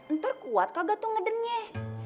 ntar kuat kagak tuh ngedengnya